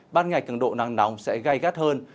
ban ngày cường độ nắng nóng sẽ gai gắt hơn